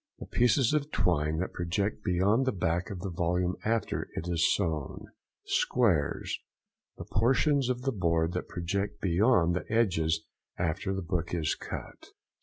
—The pieces of twine that project beyond the back of the volume after it is sewn. SQUARES.—The portions of the boards that project beyond the edges after the book is cut.